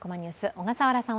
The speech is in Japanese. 小笠原さん